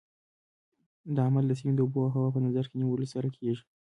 دا عمل د سیمې د اوبو او هوا په نظر کې نیولو سره کېږي.